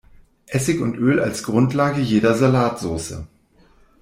Essig und Öl als Grundlage jeder Salatsoße.